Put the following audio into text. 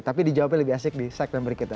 tapi dijawabnya lebih asik di sektenberik kita